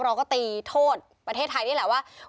เราก็ตีโทษประเทศไทยนี่แหละว่า